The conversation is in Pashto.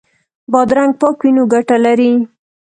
بادرنګ پاک وي نو ګټه لري.